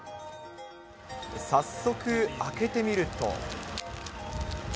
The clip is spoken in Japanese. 早速開けてみると。